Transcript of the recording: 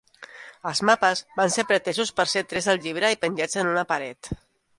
Els mapes van ser pretesos per ser trets del llibre i penjats en una paret.